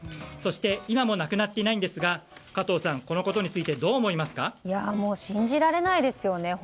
そして今もなくなっていないんですが加藤さん、このことについて信じられないですよね。